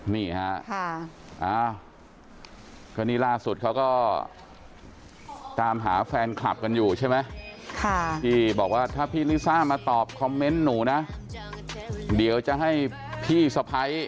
นี่ฮะก็นี่ล่าสุดเขาก็ตามหาแฟนคลับกันอยู่ใช่ไหมที่บอกว่าถ้าพี่ลิซ่ามาตอบคอมเมนต์หนูนะเดี๋ยวจะให้พี่สะพ้าย